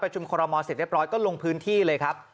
ชุมคอรมอลเสร็จเรียบร้อยก็ลงพื้นที่เลยครับ